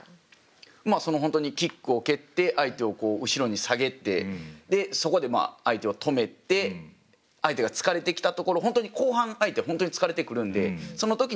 まあその本当にキックを蹴って相手を後ろに下げてそこで相手を止めて相手が疲れてきたところ後半相手本当に疲れてくるんでその時にしっかりサインプレーを使ったり。